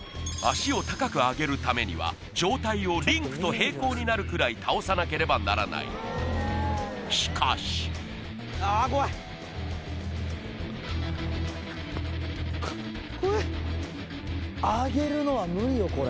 足を高く上げるためには上体をリンクと平行になるくらい倒さなければならないしかしああ怖いこ怖え上げるのは無理よ